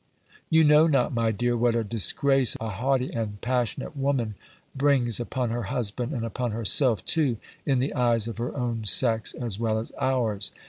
"You know not, my dear, what a disgrace a haughty and passionate woman brings upon her husband, and upon herself too, in the eyes of her own sex, as well as ours.